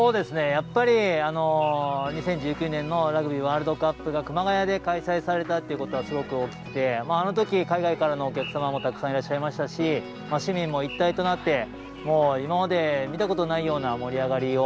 やっぱり２０１９年のラグビーワールドカップが熊谷で開催されたということがすごく大きくてあのとき海外からのお客様もたくさんいらっしゃいましたし、市民も一体となって、今まで見たことのないような盛り上がりを